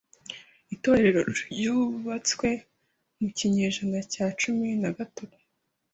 Itorero ryubatswe mu kinyejana cya cumi na gatanu.